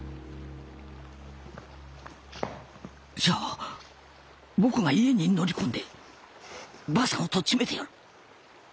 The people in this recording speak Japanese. じゃあ僕が家に乗り込んで婆さんをとっちめてやる。